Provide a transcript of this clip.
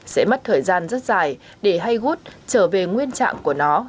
sẽ mất thời gian rất dài để hay gút trở về nguyên trạng của nó